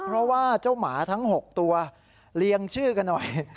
เพราะว่าเจ้าหมาทั้ง๖ตัวเรียงชื่อกันหน่อย